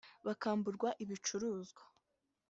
bakamburwa ibicuruzwa